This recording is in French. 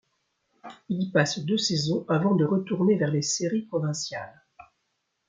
Il y passe deux saisons avant de retourner vers les séries provinciales.